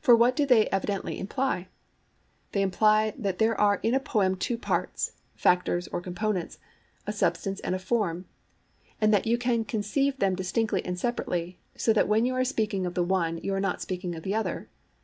For what do they evidently imply? They imply that there are in a poem two parts, factors, or components, a substance and a form; and that you can conceive them distinctly and separately, so that when you are speaking of the one you are not speaking of the other.